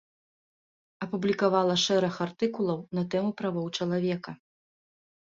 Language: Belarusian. Апублікавала шэраг артыкулаў на тэму правоў чалавека.